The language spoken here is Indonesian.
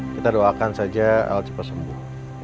kita doakan saja el cepat sembuh